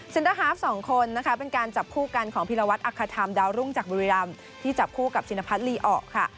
ซินเตอร์ฮาฟสองคนนะคะเป็นการจับคู่กันของพิระวัตรอัคธรรมดาวรุ้งจักรบริรัมด์ที่จับคู่กับจินพัฒน์ลีอ่อค่ะ